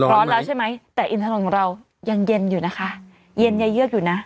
ร้อนแล้วใช่ไหมแต่อินถนนของเรายังเย็นอยู่นะคะเย็นอย่าเยือกอยู่นะ